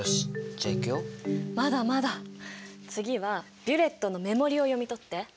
次はビュレットの目盛りを読みとって。